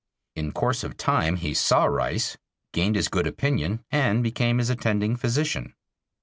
In course of time he saw Rice, gained his good opinion and became his attending physician.